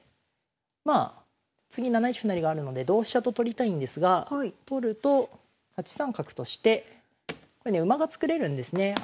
まあ次７一歩成があるので同飛車と取りたいんですが取ると８三角として馬が作れるんですね。